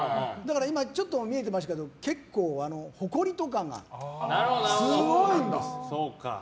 ちょっと見えてましたけど結構ほこりとかもすごいんです。